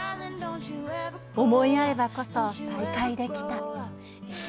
思い合えばこそ再会できた。